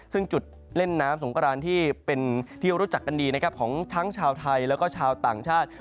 ซึ่งจุดเล่นน้ำสงกรานที่เป็นที่รู้จักกันดีนะครับของทั้งชาวไทยแล้วก็ชาวต่างชาติ